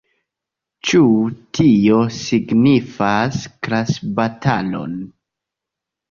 Ĉu tio signifas klasbatalon?